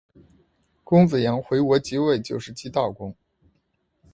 公子阳生回国即位就是齐悼公。